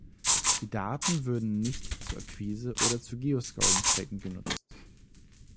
Die Daten würden nicht zur Akquise oder zu Geoscoring-Zwecken genutzt.